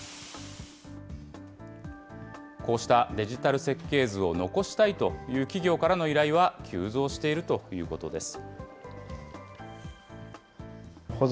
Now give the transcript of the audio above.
こうしたデジタル設計図を残したいという企業からの依頼は急増しているということです。